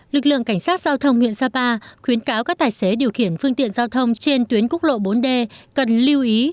lực lượng cảnh sát giao thông huyện sapa khuyến cáo các tài xế điều khiển phương tiện giao thông trên tuyến quốc lộ bốn d cần lưu ý